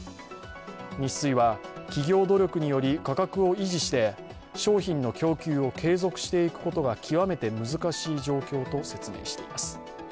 ニッスイは、企業努力により価格を維持して商品の供給を継続していくことが極めて難しい状況と説明しています。